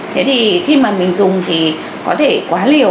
thế thì khi mà mình dùng thì có thể quá liều